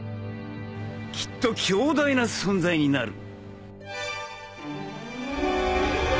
きっと強大な存在になる！